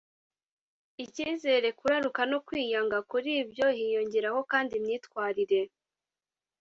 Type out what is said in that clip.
ikizere, kuraruka no kwiyanga. Kuri ibyo, hiyongeraho kandi imyitwarire